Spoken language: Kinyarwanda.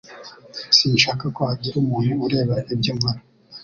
Sinshaka ko hagira umuntu ureba ibyo nkora